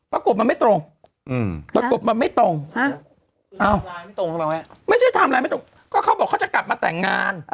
ปรากฏว่ามันไม่ตรง